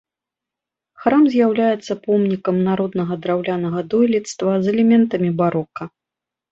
Храм з'яўляецца помнікам народнага драўлянага дойлідства з элементамі барока.